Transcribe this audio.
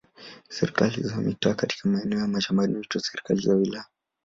Serikali za mitaa katika maeneo ya mashambani huitwa serikali za wilaya.